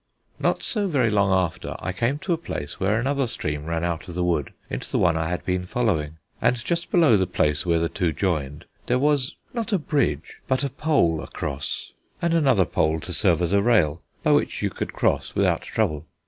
Not so very long after, I came to a place where another stream ran out of the wood into the one I had been following, and just below the place where the two joined there was not a bridge, but a pole across, and another pole to serve as a rail, by which you could cross, without trouble.